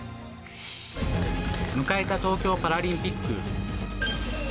迎えた東京パラリンピック。